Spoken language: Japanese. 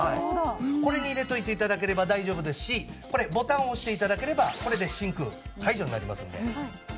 これに入れておいて頂ければ大丈夫ですしボタンを押して頂ければこれで真空解除になりますので。